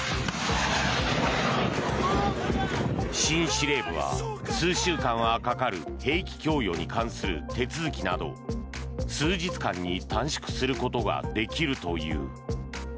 新司令部は数週間はかかる兵器供与に関する手続きなどを、数日間に短縮することができるという。